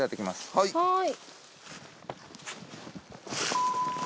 はい。